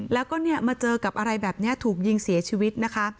แล้วก็เนี่ยมาเจอกับอะไรแบบนี้ถูกยิงเสียชีวิตนะคะ